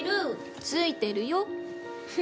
ついてるよ。